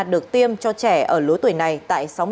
được tiêm cho trẻ ở lối tuổi này tại sáu mươi ba tỉnh thành phố